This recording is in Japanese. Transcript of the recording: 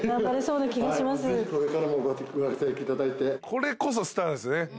これこそスターですね。